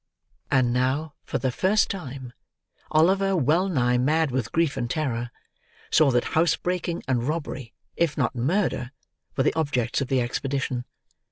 And now, for the first time, Oliver, well nigh mad with grief and terror, saw that housebreaking and robbery, if not murder, were the objects of the expedition.